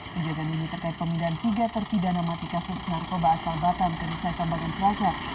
penjagaan ini terkait pemindahan tiga terpidana mati kasus narkoba asal batam ke nusa kambangan cilacap